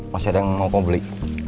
masih ada yang mau kau beli